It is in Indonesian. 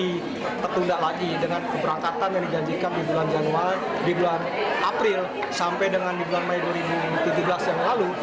dan juga tetunda lagi dengan keberangkatan yang dijanjikan di bulan april sampai dengan di bulan mei dua ribu tujuh belas yang lalu